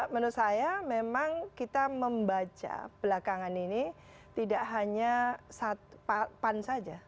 menurut saya memang kita membaca belakangan ini tidak hanya pan saja